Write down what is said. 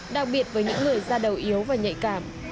đặc biệt với những người ra đầu yếu và nhạy cảm